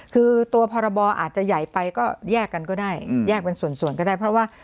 คือตัวพรบอาจจะใหญ่ไปก็แยกกันก็ได้แยกเป็นส่วนก็ได้เพราะว่า